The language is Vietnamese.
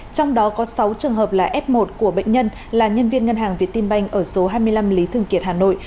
trong đó có sáu trường hợp là f một của bệnh nhân là nhân viên ngân hàng việt tiên banh ở số hai mươi năm lý thường kiệt hà nội